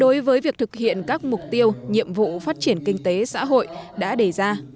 đối với việc thực hiện các mục tiêu nhiệm vụ phát triển kinh tế xã hội đã đề ra